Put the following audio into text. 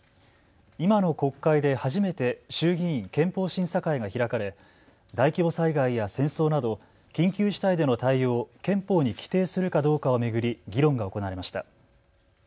今の国会で初めて衆議院憲法審査会が開かれ大規模災害や戦争など緊急事態での対応を憲法に規定するかどうかを巡り議論が行われました。